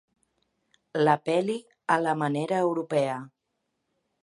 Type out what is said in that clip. El peli a la manera europea.